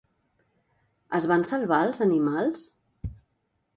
Es van salvar els animals?